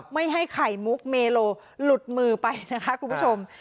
ไม่ให้ไข่มุกเมโลหลุดมือไปนะคะคุณผู้ชม